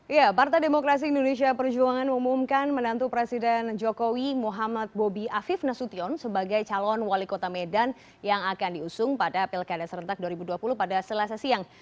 ya partai demokrasi indonesia perjuangan mengumumkan menantu presiden jokowi muhammad bobi afif nasution sebagai calon wali kota medan yang akan diusung pada pilkada serentak dua ribu dua puluh pada selasa siang